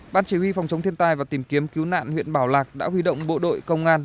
ban chỉ huy phòng chống thiên tai và tìm kiếm cứu nạn huyện bảo lạc đã huy động bộ đội công an